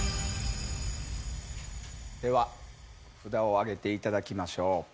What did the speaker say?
では札を上げていただきましょう。